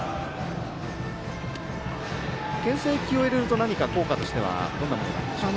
けん制球を入れると効果としてはどんなものがあるんでしょうか？